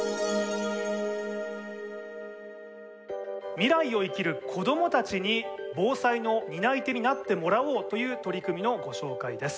未来を生きる子どもたちに防災の担い手になってもらおうという取り組みのご紹介です。